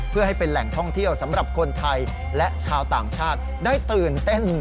เพื่อให้เป็นแหล่งท่องเที่ยวสำหรับคนไทยและชาวต่างชาติได้ตื่นเต้น